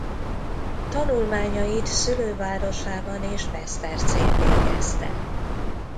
Tanulmányait szülővárosában és Besztercén végezte.